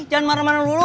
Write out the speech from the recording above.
jangan marah marah dulu